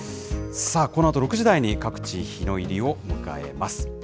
さあこのあと６時台に各地、日の入りを迎えます。